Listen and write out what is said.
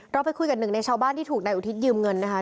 ไปคุยกับหนึ่งในชาวบ้านที่ถูกนายอุทิศยืมเงินนะคะ